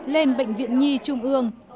lên bệnh viện nhi trung ương